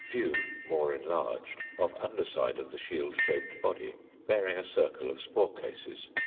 View (more enlarged) of under side of the shield shaped body, bearing a circle of spore cases.